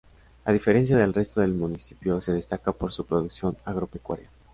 A diferencia del resto del municipio se destaca por su producción agropecuaria.